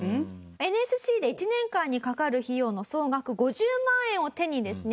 ＮＳＣで１年間にかかる費用の総額５０万円を手にですね